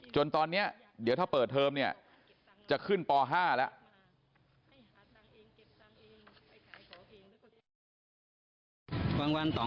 จนตอนนี้เดี๋ยวถ้าเปิดเทอมเนี่ยจะขึ้นป๕แล้ว